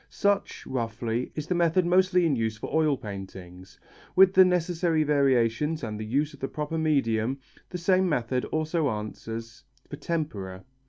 Such, roughly, is the method mostly in use for oil paintings. With the necessary variations, and the use of the proper medium, the same method also answers for tempera.